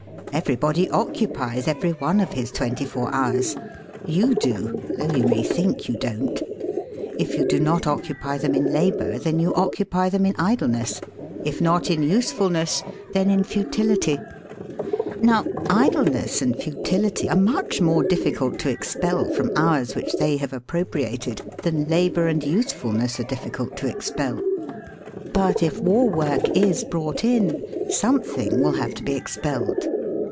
Everybody occupies every one of his twenty four hours. You do, though you may think you don't. 30 SELF AND SELF MANAGEMENT If you do not occupy them in labour then you occupy them in idleness; if not in usefulness, then in futility Now idleness and futility are much more difficult to expel from hours which they have appropriated than labour and usefulness are difficult to expel. But if war work is brought in, something will have to be expelled.